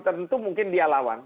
tertentu mungkin dia lawan